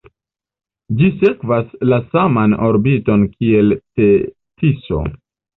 Ĝi sekvas la saman orbiton kiel Tetiso.